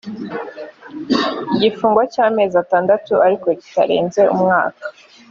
igifungo cy’amezi atandatu ariko kitarenze umwaka